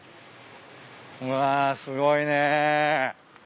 うわすごいね。